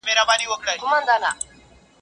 هلک دي لوی کړ د لونګو بوی یې ځینه.